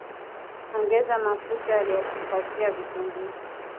Ongeza mafuta yakifuatiwa vitunguu